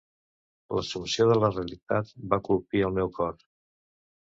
L'assumpció de la realitat va colpir el meu cor.